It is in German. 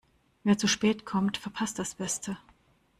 Wer zu spät kommt, verpasst das Beste.